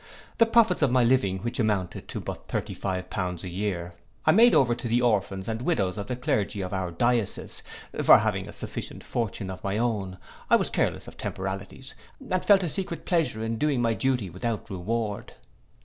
The profits of my living, which amounted to but thirty five pounds a year, I made over to the orphans and widows of the clergy of our diocese; for having a sufficient fortune of my own, I was careless of temporalities, and felt a secret pleasure in doing my duty without reward.